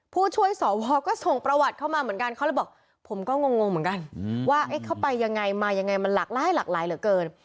ผู้ช่วยสวก็ส่งประวัติเข้ามาเหมือนกันเขาเลยบอกผมก็งงเหมือนกันว่าเขาไปยังไงมายังไงมันหลากหลายหลากหลายเหลือเกิน